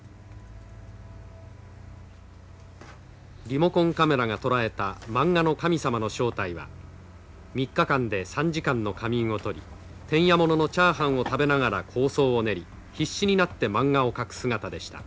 リモコンカメラが捉えたマンガの神様の正体は３日間で３時間の仮眠を取り店屋物のチャーハンを食べながら構想を練り必死になってマンガを描く姿でした。